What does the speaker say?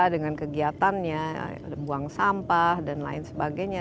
dengan kegiatannya buang sampah dan lain sebagainya